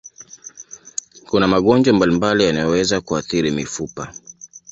Kuna magonjwa mbalimbali yanayoweza kuathiri mifupa.